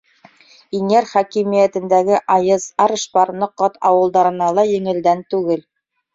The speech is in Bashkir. Инйәр хакимиәтендәге Айыс, Арышпар, Ноҡат ауылдарына ла еңелдән түгел.